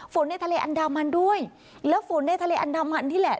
ในทะเลอันดามันด้วยแล้วฝนในทะเลอันดามันนี่แหละ